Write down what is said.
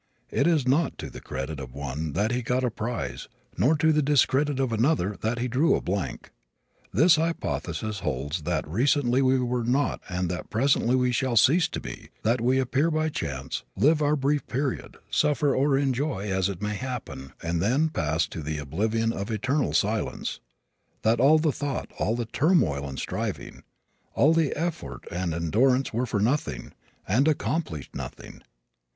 It is not to the credit of one that he got a prize nor to the discredit of another that he drew a blank. This hypothesis holds that recently we were not and that presently we shall cease to be; that we appear by chance, live our brief period, suffer or enjoy as it may happen and then pass to the oblivion of eternal silence; that all the thought, all the toil and the striving, all the effort and endurance were for nothing, and accomplished nothing.